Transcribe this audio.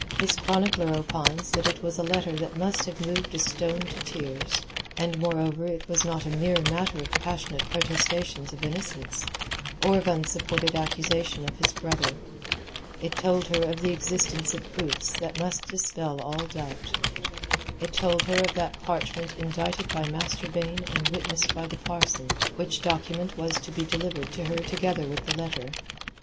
His chronicler opines that it was a letter that must have moved a stone to tears. And, moreover, it was not a mere matter of passionate protestations of innocence, or of unsupported accusation of his brother. It told her of the existence of proofs that must dispel all doubt. It told her of that parchment indited by Master Baine and witnessed by the parson, which document was to be delivered to her together with the letter.